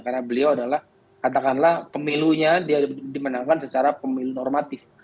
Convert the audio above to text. karena beliau adalah katakanlah pemilunya dia dimenangkan secara pemilu normatif